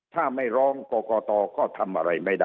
ถ้าไม่ร้องกรกตก็ทำอะไรไม่ได้